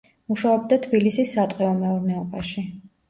მუშაობდა თბილისის სატყეო მეურნეობაში.